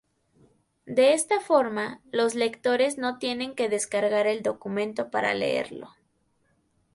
De esta forma, los lectores no tienen que descargar el documento para leerlo.